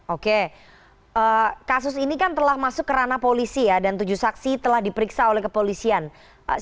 oke kasus ini kan telah masuk kerana polisi ya dan tujuh saksi telah diperiksa oleh kepala sekolah dasar negeri dua ratus tiga puluh enam randu padangan